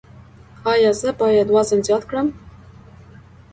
ایا زه باید وزن زیات کړم؟